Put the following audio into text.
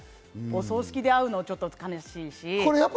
お葬式で会うのはちょっと悲しいし。